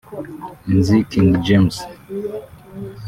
nzi King James